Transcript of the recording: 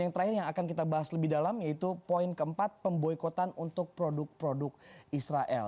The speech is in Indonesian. yang terakhir yang akan kita bahas lebih dalam yaitu poin keempat pemboikotan untuk produk produk israel